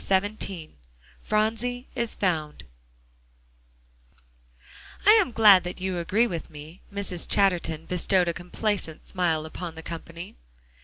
XVII PHRONSIE IS FOUND "I am glad that you agree with me." Mrs. Chatterton bestowed a complacent smile upon the company.